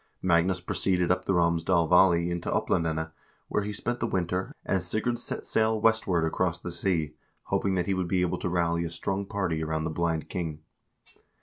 Magnus proceeded up the Romsdal valley into Oplandene, where he spent the winter, and Sigurd set sail westward across the sea, hoping that he would be able to rally a strong party around the blind king.